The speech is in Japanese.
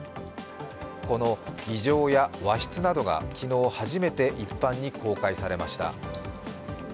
この議場や和室などが昨日初めて一般に公開されました。